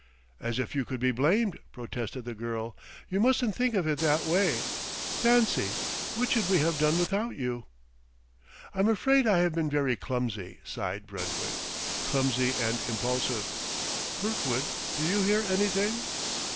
"As if you could be blamed!" protested the girl. "You mustn't think of it that way. Fancy, what should we have done without you!" "I'm afraid I have been very clumsy," sighed Brentwick, "clumsy and impulsive ... Kirkwood, do you hear anything?"